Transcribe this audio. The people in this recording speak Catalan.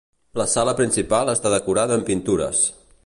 La sala principal està decorada amb pintures.